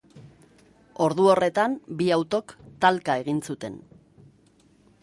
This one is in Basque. Ordu horretan, bi autok talka egin zuten.